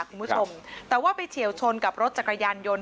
คุณผู้ชมแต่ว่าไปเฉียวชนกับรถจักรยานยนต์